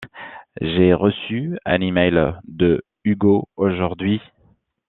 J'ai reçu un email de Hugo aujourd'hui.